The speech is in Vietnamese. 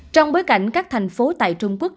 trong bối cảnh các thành phố tại trung quốc